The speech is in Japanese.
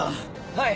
はい！